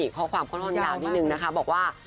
ขอความข้ออนุญาตนิดนึงนะคะบอกว่า